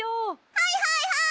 はいはいはい！